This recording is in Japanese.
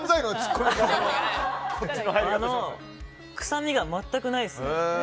臭みが全くないですね。